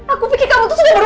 aku pikir kamu tuh sudah